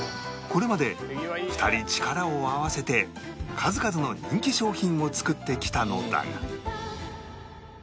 これまで２人力を合わせて数々の人気商品を作ってきたのだが